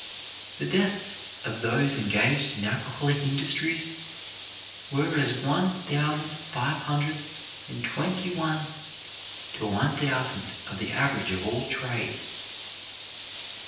The deaths of those engaged in alcoholic industries were as one thousand five hundred and twenty one to one thousand of the average of all trades.